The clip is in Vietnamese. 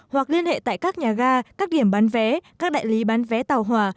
hoặc liên hệ tại các nhà ga các điểm bán vé các đại lý bán vé tàu hòa